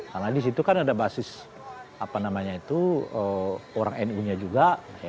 karena disitu kan ada basis apa namanya itu orang nu nya juga